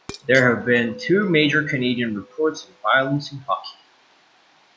There have been two major Canadian reports on violence in hockey.